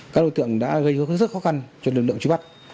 các đối tượng đã gây hướng rất khó khăn cho lực lượng truy bắt